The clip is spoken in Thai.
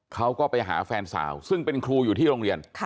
เขาก็ไปหาแฟนสาวซึ่งเป็นครูอยู่ที่โรงเรียน